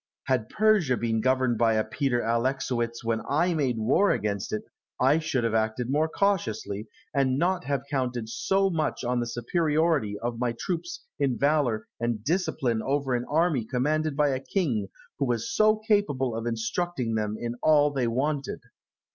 Had Persia been governed by a Peter Alexowitz when I made war against it, I should have acted more cautiously, and not have counted so much on the superiority of my troops in valour and discipline over an army commanded by a king who was so capable of instructing them in all they wanted.